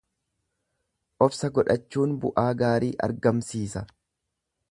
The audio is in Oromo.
Obsa godhachuun bu'aa gaarii argamsiisa.